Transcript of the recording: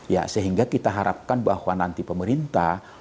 ya sehingga kita harapkan bahwa nanti pemerintah